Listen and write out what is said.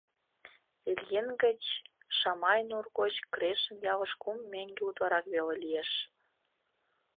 Ильин гыч Шамай нур гоч Крешын ялыш кум меҥге утларак веле лиеш.